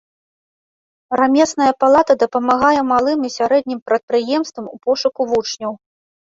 Рамесная палата дапамагае малым і сярэднім прадпрыемствам у пошуку вучняў.